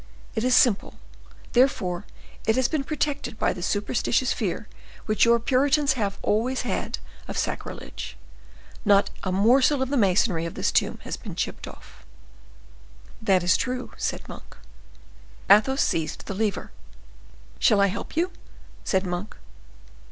It is simple, therefore it has been protected by the superstitious fear which your Puritans have always had of sacrilege. Not a morsel of the masonry of this tomb has been chipped off." "That is true," said Monk. Athos seized the lever. "Shall I help you?" said Monk.